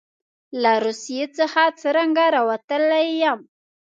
له روسیې څخه څرنګه راوتلی یم.